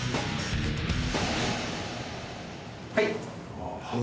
はい！